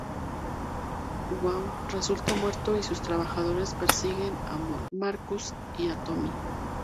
Wang resulta muerto y sus trabajadores persiguen a Marcus y a Tommy.